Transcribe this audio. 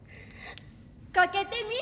かけてみ。